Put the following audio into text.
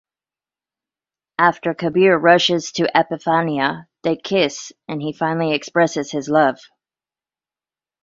After Kabir rushes to Epifania, they kiss and he finally expresses his love.